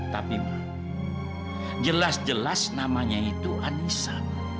tapi jelas jelas namanya itu anissa